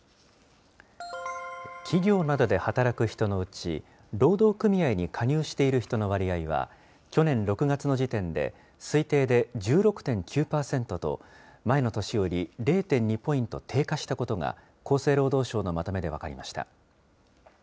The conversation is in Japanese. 企業などで働く人のうち、労働組合に加入している人の割合は、去年６月の時点で、推定で１６．９％と、前の年より０．２ポイント低下したことが、厚生労働省のまとめで分かりました。